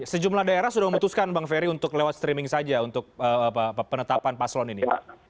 sejumlah daerah sudah memutuskan bang ferry untuk lewat streaming saja untuk penetapan paslon ini